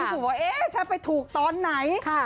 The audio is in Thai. ที่สุนว่าเอ๊ะฉันไปถูกตอนไหนค่ะ